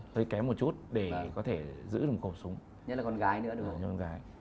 hơi kém một chút để có thể giữ được cổ súng như là con gái nữa đúng không gái